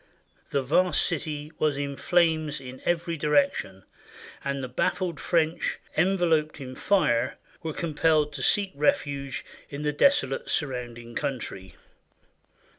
The vast city was in flames in every direction, and the baffled French, enveloped in fire, were compelled to seek refuge in the desolate surrounding country.